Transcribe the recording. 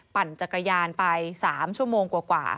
ปั่นจักรยานไป๓ชั่วโมงกว่า